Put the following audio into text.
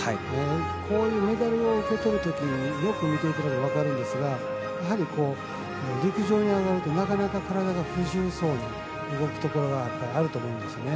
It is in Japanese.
こういうメダルを受け取るときに見ていただくと分かるんですがやはり陸上に上がるとなかなか体が不自由そうに動くところがあると思うんですよね。